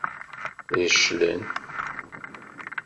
Reclen.